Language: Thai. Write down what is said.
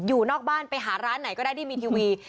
อยู่นอกบ้านไปหาร้านไหนก็ได้ที่มีทีวี